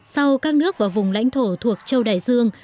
sau các nước và vùng lãnh thổ thuộc châu đại dương